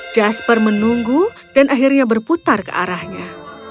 jasper menunggu dan akhirnya berputar ke arahnya